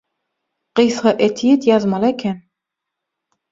gysga etýid ýazmaly eken.